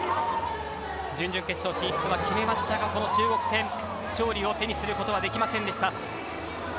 準々決勝進出は決めましたがこの中国戦、勝利を手にすることはできませんでした。